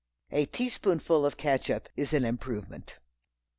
A teaspoonful of catsup is an improvement.